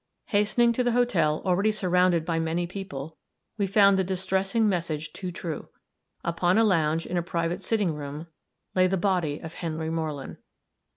Hastening to the hotel, already surrounded by many people, we found the distressing message too true. Upon a lounge, in a private sitting room, lay the body of Henry Moreland!